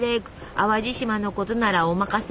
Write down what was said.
淡路島のことならお任せ。